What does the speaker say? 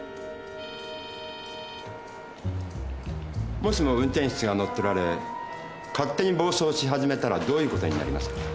もしも運転室が乗っ取られ勝手に暴走し始めたらどういうことになりますか？